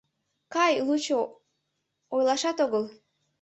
Кай, лучо ойлашат огыл.